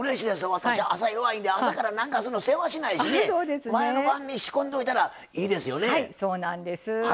私、朝弱いんで朝からなんかするの、せわしないし前の晩に仕込んでおいたらいいですよね。